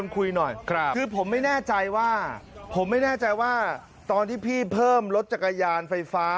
คือผมไม่แน่ใจว่าตอนที่พี่เพิ่มรถจักรยานไฟฟ้า